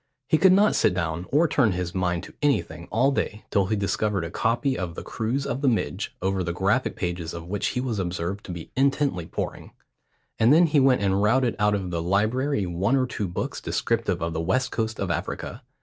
He could not sit down or turn his mind to anything all day till he discovered a copy of the Cruise of the Midge, over the graphic pages of which he was observed to be intently poring; and then he went and routed out of the library one or two books descriptive of the west coast of Africa.